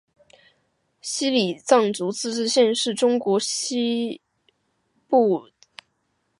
木里藏族自治县是中国四川省凉山彝族自治州西部所辖的一个藏族自治县。